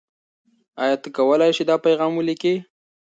آیا ته کولای شې دا پیغام ولیکې؟